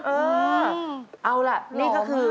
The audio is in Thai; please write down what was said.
ที่พอจับกีต้าร์ปุ๊บ